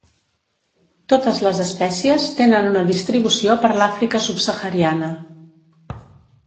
Totes les espècies tenen una distribució per l'Àfrica subsahariana.